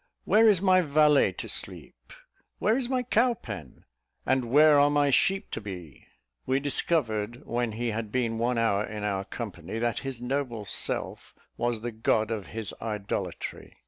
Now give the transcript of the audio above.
where is my valet to sleep? where is my cow pen? and where are my sheep to be?" We discovered when he had been one hour in our company, that his noble self was the god of his idolatry.